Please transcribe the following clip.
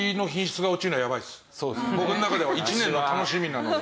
僕の中では一年の楽しみなので。